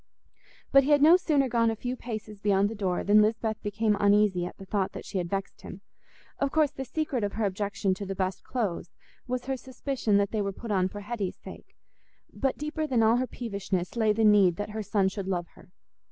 But he had no sooner gone a few paces beyond the door than Lisbeth became uneasy at the thought that she had vexed him. Of course, the secret of her objection to the best clothes was her suspicion that they were put on for Hetty's sake; but deeper than all her peevishness lay the need that her son should love her.